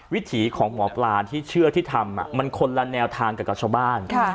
วิถีของหมอปลาที่เชื่อที่ทำมันคนละแนวทางกับชาวบ้าน